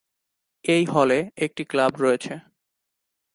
এই হলে একটি ক্লাব রয়েছে।